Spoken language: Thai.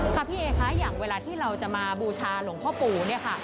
พี่เอ๋คะอย่างเวลาที่เราจะมาบูชาหลวงพ่อปู่เนี่ยค่ะ